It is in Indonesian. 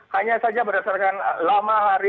hanya saja berdasarkan lama hari